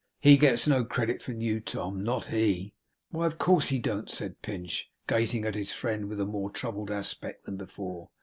HE gets no credit from you, Tom, not he.' 'Why, of course he don't,' said Pinch, gazing at his friend with a more troubled aspect than before.